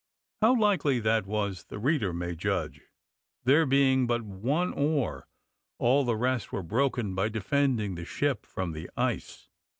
How likely that was the reader may judge, there being but one oar, all the rest were broken by defending the ship from the ice.